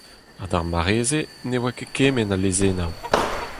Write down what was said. Ha d'ar mare-se ne oa ket kement a lezennoù.